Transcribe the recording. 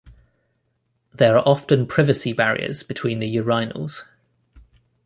There are often privacy barriers between the urinals.